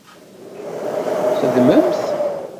Txeddmemt?